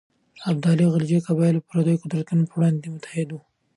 ابدالي او غلجي قبایل د پرديو قدرتونو پر وړاندې متحد وو.